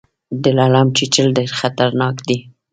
د لړم چیچل ډیر خطرناک دي